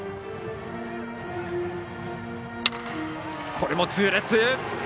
これも痛烈！